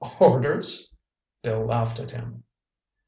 "Orders?" Bill laughed at him.